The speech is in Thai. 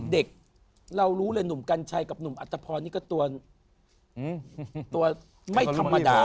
เด็กเรารู้เลยหนุ่มกัญชัยกับหนุ่มอัตภพรนี่ก็ตัวไม่ธรรมดา